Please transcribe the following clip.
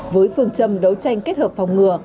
với phương châm đấu tranh kết hợp phòng ngừa